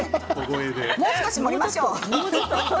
もう少し盛りましょう。